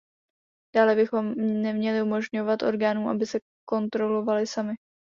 Dále bychom neměli umožňovat orgánům, aby se kontrolovaly samy.